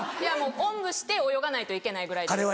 おんぶして泳がないといけないぐらいです。